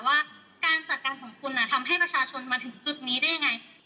ว่าการจัดการของคุณทำให้ประชาชนมาถึงจุดนี้ได้ยังไง